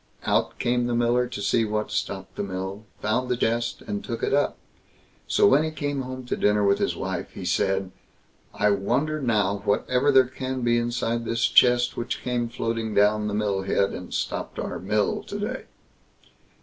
Out came the miller to see what stopped the mill, found the chest and took it up. So when he came home to dinner to his wife, he said: "I wonder now whatever there can be inside this chest which came floating down the mill head, and stopped our mill to day?"